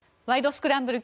スクランブル」